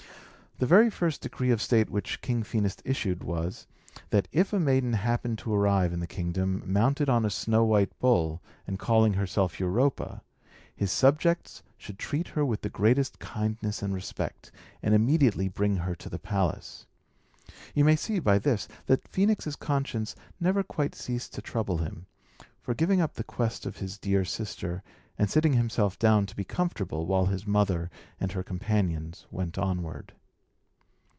The very first decree of state which King Phœnix issued was, that if a maiden happened to arrive in the kingdom, mounted on a snow white bull, and calling herself Europa, his subjects should treat her with the greatest kindness and respect, and immediately bring her to the palace. You may see, by this, that Phœnix's conscience never quite ceased to trouble him, for giving up the quest of his dear sister, and sitting himself down to be comfortable, while his mother and her companions went onward.